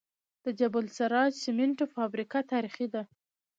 د جبل السراج سمنټو فابریکه تاریخي ده